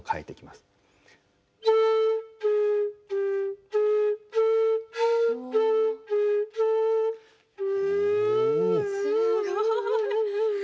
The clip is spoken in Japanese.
すごい。